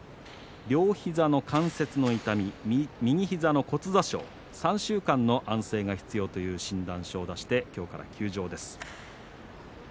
両膝の関節の痛み、右膝の骨挫傷３週間の安静が必要という診断書を出して今日から休場です。